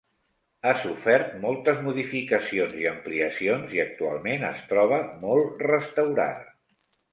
Ha sofert moltes modificacions i ampliacions i actualment es troba molt restaurada.